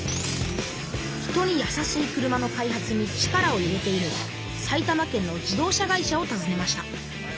人にやさしい車の開発に力を入れている埼玉県の自動車会社をたずねました。